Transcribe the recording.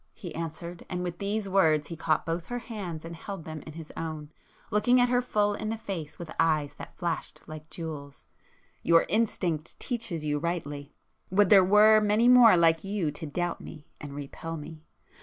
he answered, and with these [p 351] words he caught both her hands and held them in his own, looking at her full in the face with eyes that flashed like jewels, "Your instinct teaches you rightly. Would there were many more like you to doubt me and repel me!